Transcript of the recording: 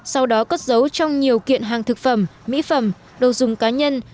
sau đó cất giấu trong nhiều kiện hàng thực phẩm mỹ phẩm đồ dùng cá nhân